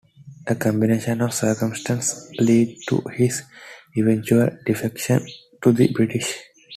A combination of circumstances lead to his eventual defection to the British.